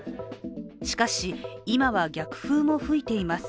しかし今は、逆風も吹いています。